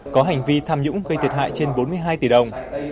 có hành vi tham nhũng gây thiệt hại trên bốn mươi hai tỷ đồng